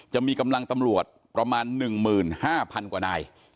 จะมีกำลังตำรวจประมาณ๑๕๐๐๐กว่านาย